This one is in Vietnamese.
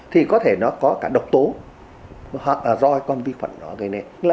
thì có thể nó có cả độc tố hoặc là do con vi khuẩn đó gây nên